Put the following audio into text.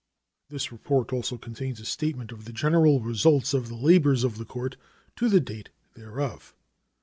This report also contains a statement of the general results of the labors of the court to the date thereof.